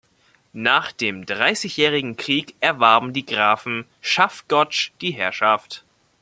Nach dem Dreißigjährigen Krieg erwarben die Grafen Schaffgotsch die Herrschaft.